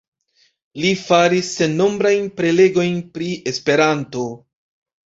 Li faris sennombrajn prelegojn pri Esperanto.